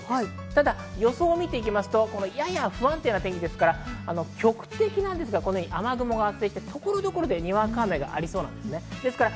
ただ予想を見てきますと、やや不安定な天気ですから局地的ですが雨雲が発生して所々でにわか雨がありそうです。